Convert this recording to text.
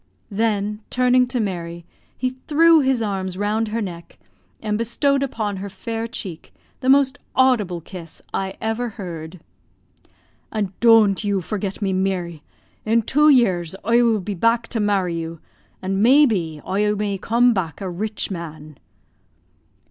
Then turning to Mary, he threw his arms round her neck, and bestowed upon her fair cheek the most audible kiss I ever heard. "And doan't you forget me, Meary. In two years oie will be back to marry you; and may be oie may come back a rich man."